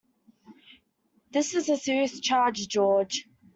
This is a serious charge, George.